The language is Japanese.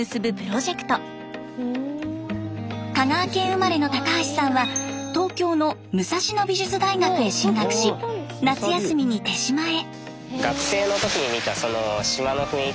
香川県生まれの高橋さんは東京の武蔵野美術大学へ進学し夏休みに手島へ。